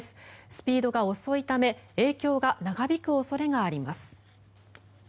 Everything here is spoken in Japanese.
スピードが遅いため影響が長引く恐れがあります。